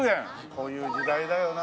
こういう時代だよな。